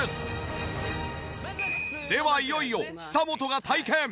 ではいよいよ久本が体験。